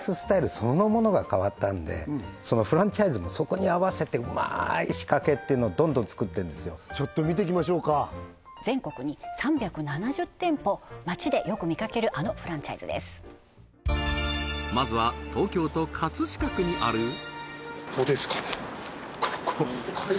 そのものが変わったんでフランチャイズもそこに合わせてうまい仕掛けっていうのをどんどん作ってるんですよちょっと見ていきましょうか全国に３７０店舗街でよく見かけるあのフランチャイズですまずは東京都葛飾区にあるうん？